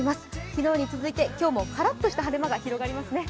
昨日に続いて今日もからっとした晴れ間が広がりますね。